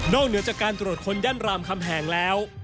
เหนือจากการตรวจคนย่านรามคำแหงแล้ว